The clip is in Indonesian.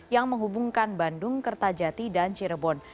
yang menghubungkan bandung kertajati dan cirebon